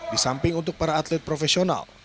di samping untuk para atlet profesional